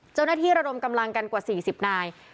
เจ้าหน้าที่ระดมกำลังกันกว่า๔๐นาย